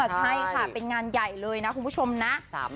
ใช่ค่ะเป็นงานใหญ่เลยนะคุณผู้ชมนะ